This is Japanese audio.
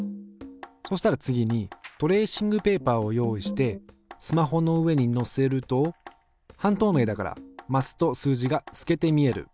そしたら次にトレーシングペーパーを用意してスマホの上に載せると半透明だからマスと数字が透けて見える。